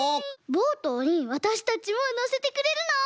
ボートにわたしたちものせてくれるの？